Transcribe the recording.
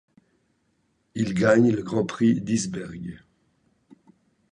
Il gagne le Grand Prix d'Isbergues.